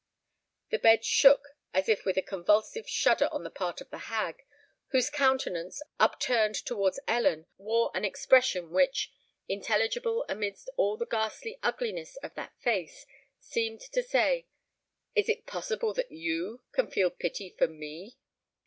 The bed shook as if with a convulsive shudder on the part of the hag, whose countenance, upturned towards Ellen, wore an expression which—intelligible amidst all the ghastly ugliness of that face—seemed to say, "Is it possible that you can feel pity for me?"